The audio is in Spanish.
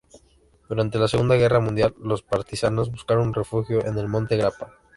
Durante la Segunda Guerra Mundial, los Partisanos buscaron refugio en el Monte Grappa.